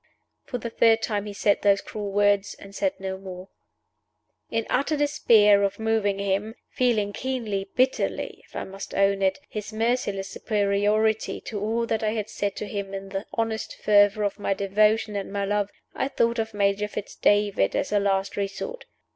For the third time he said those cruel words, and said no more. In utter despair of moving him feeling keenly, bitterly (if I must own it), his merciless superiority to all that I had said to him in the honest fervor of my devotion and my love I thought of Major Fitz David as a last resort.